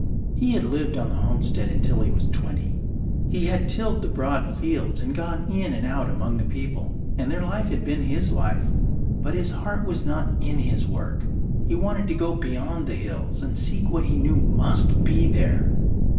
He had lived on the homestead until he was twenty. He had tilled the broad fields and gone in and out among the people, and their life had been his life. But his heart was not in his work. He wanted to go beyond the hills and seek what he knew must be there.